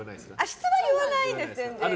質は言わないです。